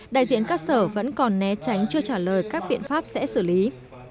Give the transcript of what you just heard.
đại diện các sở vẫn còn né tránh chưa trả lời các biện pháp sẽ xử lý